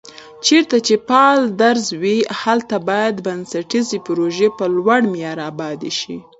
چېرته چې فعال درز وي، هلته باید بنسټيزې پروژي په لوړ معیار آبادې شي